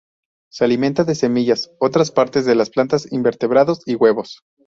Se alimenta de semillas, otras partes de las plantas, invertebrados y huevos.